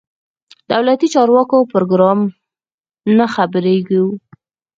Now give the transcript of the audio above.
دولتي چارواکو پروګرام نه خبرېږو.